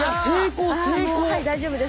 大丈夫です。